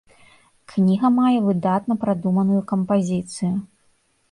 Кніга мае выдатна прадуманую кампазіцыю.